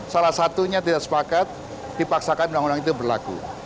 salah satunya tidak sepakat dipaksakan undang undang itu berlaku